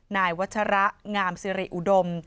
นายวัชระงามสิริอุดม